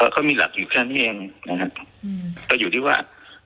ก็มีหลักอยู่แค่นั้นเองนะครับก็อยู่ที่ว่า